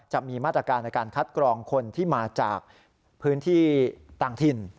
จะมีมาตรการในการคัดกรองคนที่มาจากพื้นที่ต่างถิ่น